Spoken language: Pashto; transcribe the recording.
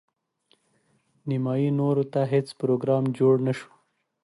نیمايي نورو ته هیڅ پروګرام جوړ نه شو.